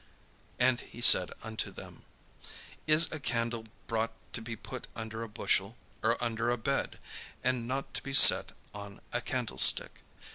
And he said unto them: "Is a candle brought to be put under a bushel, or under a bed? and not to be set on a candlestick?